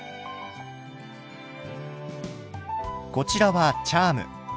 こちらはチャーム。